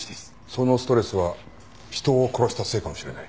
そのストレスは人を殺したせいかもしれない。